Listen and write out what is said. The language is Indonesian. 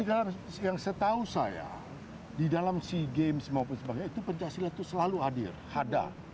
jadi yang saya tahu saya di dalam sea games maupun sebagainya itu pencaksilat itu selalu hadir ada